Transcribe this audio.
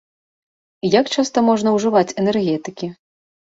Як часта можна ўжываць энергетыкі?